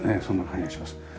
そんな感じがします。